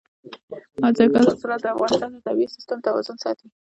دځنګل حاصلات د افغانستان د طبعي سیسټم توازن ساتي.